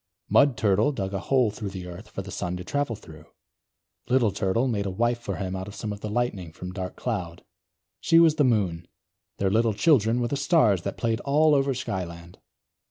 Mud Turtle dug a hole through the earth for the Sun to travel through. Little Turtle made a wife for him out of some of the Lightning from Dark Cloud. She was the Moon. Their little children were the stars that played all over Skyland.